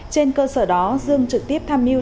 trên cơ sở đó dương trực tiếp tham mưu